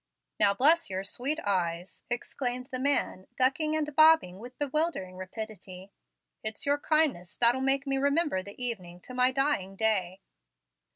"Now bless your sweet eyes!" exclaimed the man, ducking and bobbing with bewildering rapidity; "it's your kindness that'll make me remember the evening to my dying day."